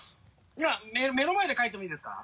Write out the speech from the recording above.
今目の前で描いてもいいですか？